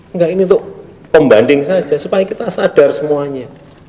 enggak ini untuk pembanding saja supaya kita sadar semuanya